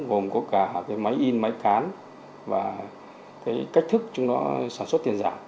gồm có cả máy in máy cán và cách thức chúng nó sản xuất tiền giả